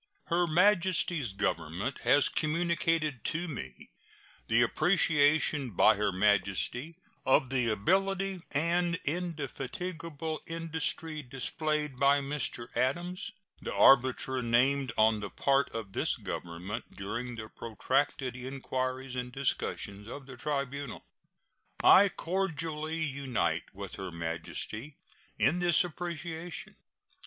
Her Majesty's Government has communicated to me the appreciation by Her Majesty of the ability and indefatigable industry displayed by Mr. Adams, the arbitrator named on the part of this Government during the protracted inquiries and discussions of the tribunal. I cordially unite with Her Majesty in this appreciation.